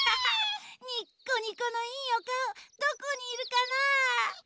ニッコニコのいいおかおどこにいるかな？